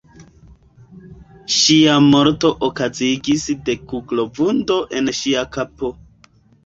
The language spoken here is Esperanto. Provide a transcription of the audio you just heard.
Ŝia morto okazigis de kuglo-vundo en ŝia kapo.